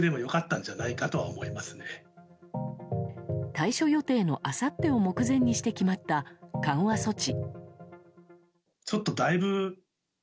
退所予定のあさってを目前にして決まった緩和措置。